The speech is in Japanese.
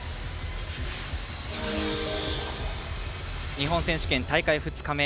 日本選手権、大会２日目。